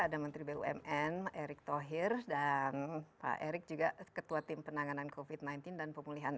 ada menteri bumn erick thohir dan pak erick juga ketua tim penanganan covid sembilan belas dan pemulihan